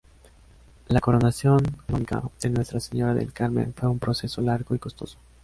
La Coronación Canónica de Nuestra Señora del Carmen fue un proceso largo y costoso.